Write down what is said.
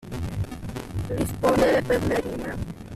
Rispondere per le rime.